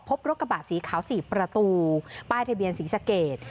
พบรถกระบะสีขาว๔ประตูป้ายทะเบียนศรีสะเกด